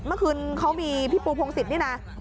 เมื่อคืนเขามีพี่ปูพงศิษย์นี่นะ